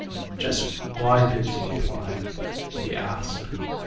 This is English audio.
"Just why did you apply?" he asked.